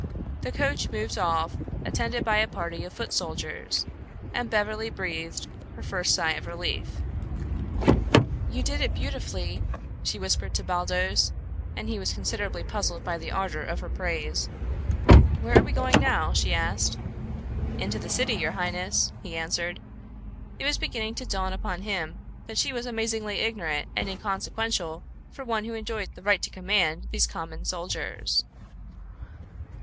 The coach moved off, attended by a party of foot soldiers, and Beverly breathed her first sigh of relief. "You did it beautifully," she whispered to Baldos, and he was considerably puzzled by the ardor of her praise. "Where are we going now?" she asked. "Into the city, your highness," he answered. It was beginning to dawn upon him that she was amazingly ignorant and inconsequential for one who enjoyed the right to command these common soldiers.